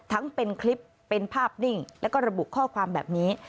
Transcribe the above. ทั้งเป็นคลิปเป็นภาพนิ่งแล้วก็ระบุข้อความแบบนี้